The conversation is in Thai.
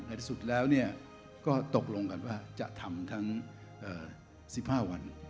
ที่สุดแล้วก็ตกลงกันว่าจะทำทั้ง๑๕วัน